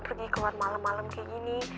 si pi harus pergi keluar malem malem kayak gini